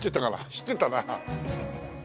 走ってたな。